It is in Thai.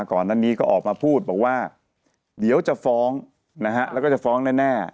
ก่อนหน้านี้ก็ออกมาพูดบอกว่าเดี๋ยวจะฟ้องนะฮะแล้วก็จะฟ้องแน่